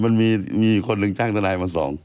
เราก็มีมีคนหนึ่งจ้างทนายมา๒